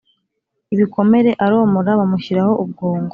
Ibikomere aromora bamushyiraho ubwungo